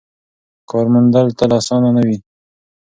کار موندل تل اسانه نه وي.